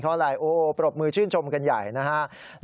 เพราะอะไรโอ้ปรบมือชื่นชมกันใหญ่นะครับ